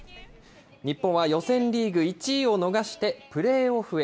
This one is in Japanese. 日本は予選リーグ１位を逃してプレーオフへ。